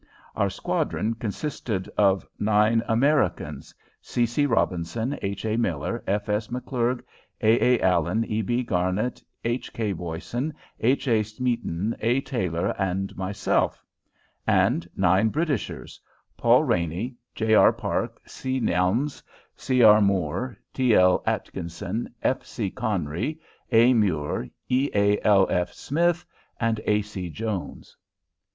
Our squadron consisted of nine Americans, C. C. Robinson, H. A. Miller, F. S. McClurg, A. A. Allen, E. B. Garnett, H. K. Boysen, H. A. Smeeton, A. Taylor, and myself; and nine Britishers, Paul H. Raney, J. R. Park, C. Nelmes, C. R. Moore, T. L. Atkinson, F. C. Conry, A. Muir, E. A. L. F. Smith, and A. C. Jones.